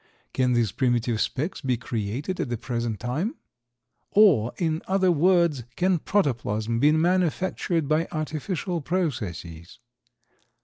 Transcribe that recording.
Can these primitive specks be created at the present time? Or, in other words, can protoplasm be manufactured by artificial processes?